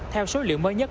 theo số liệu mới nhất